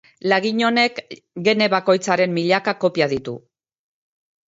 Lagin honek gene bakoitzaren milaka kopia ditu.